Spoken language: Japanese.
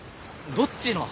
どっちの？